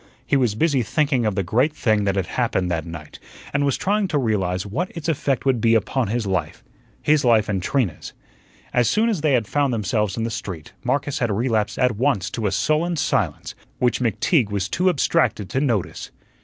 He was busy thinking of the great thing that had happened that night, and was trying to realize what its effect would be upon his life his life and Trina's. As soon as they had found themselves in the street, Marcus had relapsed at once to a sullen silence, which McTeague was too abstracted to notice.